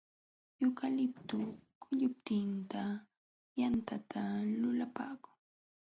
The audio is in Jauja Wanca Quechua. Yukaliptu kullupiqta yantata lulapaakun.